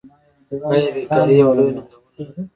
آیا بیکاري یوه لویه ننګونه نه ده؟